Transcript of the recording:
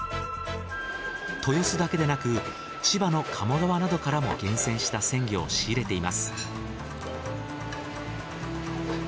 豊洲だけでなく千葉の鴨川などからも厳選した鮮魚を仕入れています。